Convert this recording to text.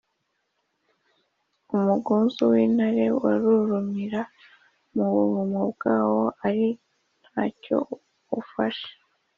Umugunzu w’intare warurumira mu buvumo bwawo ari nta cyo ufashe?